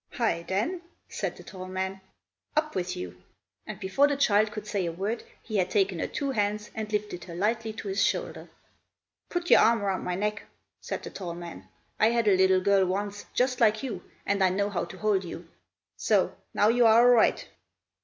"Hi, then!" said the tall man; "up with you!" And before the child could say a word, he had taken her two hands and lifted her lightly to his shoulder. "Put your arm round my neck," said the tall man. "I had a little girl once, just like you, and I know how to hold you. So, now you are all right!"